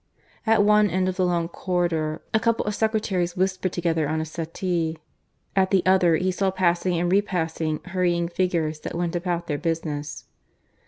At one end of the long corridor a couple of secretaries whispered together on a settee; at the other he saw passing and repassing hurrying figures that went about their business.